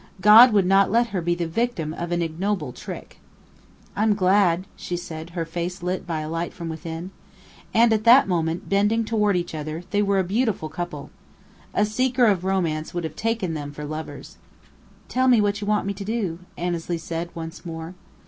God would not let her be the victim of an ignoble trick! "I'm glad," she said, her face lit by a light from within. And at that moment, bending toward each other, they were a beautiful couple. A seeker of romance would have taken them for lovers. "Tell me what you want me to do," Annesley said once more.